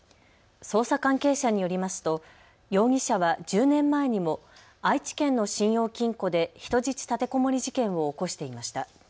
捜査関係者によりますと容疑者は１０年前にも愛知県の信用金庫で人質立てこもり事件を起こしていました。